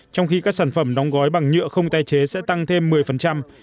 trong khi các sản phẩm đóng gói bằng nhựa không tái chế sẽ tăng thêm một mươi